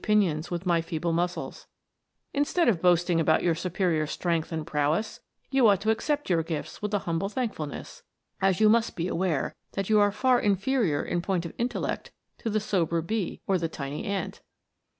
143 pinions with my feeble muscles 1 Instead of boast ing about your superior strength and prowess, you ought to accept your gifts with a humble thankful ness, as you must be aware that you are 'far inferior in point of intellect to the sober bee, or the tiny ant."